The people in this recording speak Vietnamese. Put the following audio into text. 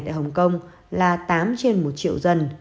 tại hồng kông là tám trên một triệu dân